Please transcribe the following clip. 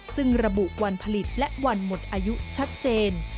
ซึ่งระบุวันผลิตและวันหมดอายุชัดเจน